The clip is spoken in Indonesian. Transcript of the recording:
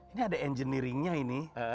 ini ada engineeringnya ini